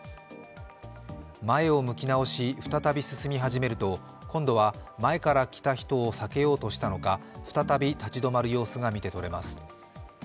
前を向き直し、再び進み始めると、今度は前から来た人を避けようとしたのか再び立ち止まる様子が見てとれます。